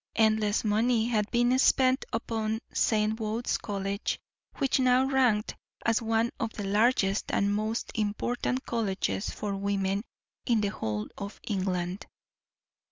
Endless money had been spent upon St. Wode's College, which now ranked as one of the largest and most important colleges for women in the whole of England.